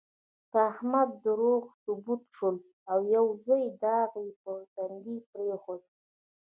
په احمد دروغ ثبوت شول، او یو لوی داغ یې په تندي پرېښود.